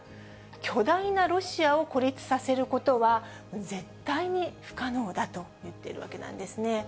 巨大なロシアを孤立させることは、絶対に不可能だと言っているわけなんですね。